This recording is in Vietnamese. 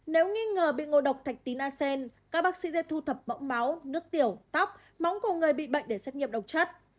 nếu nghi ngờ bị ngộ độc thạch tín asean các bác sĩ sẽ thu thập mẫu máu nước tiểu tóc máu của người bị bệnh để xét nghiệm độc chất